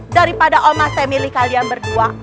daripada om bas saya milih kalian berdua